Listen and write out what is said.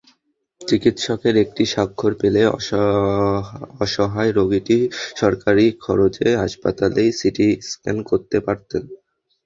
চিকিৎসকের একটি স্বাক্ষর পেলে অসহায় রোগীটি সরকারি খরচে হাসপাতালেই সিটি স্ক্যান করাতে পারতেন।